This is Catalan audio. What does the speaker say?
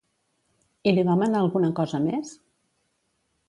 I li va manar alguna cosa més?